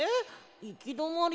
いきどまり？